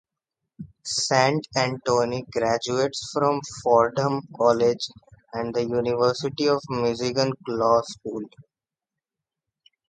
Saint Antoine graduated from Fordham College and the University of Michigan Law School.